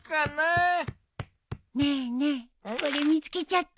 ねねこれ見つけちゃった。